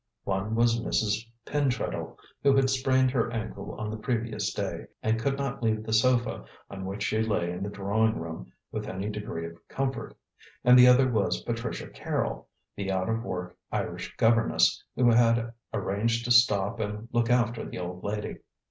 One was Mrs. Pentreddle, who had sprained her ankle on the previous day, and could not leave the sofa on which she lay in the drawing room with any degree of comfort, and the other was Patricia Carrol, the out of work Irish governess, who had arranged to stop and look after the old lady.